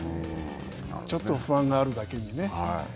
ちょっと不安があるだけにね。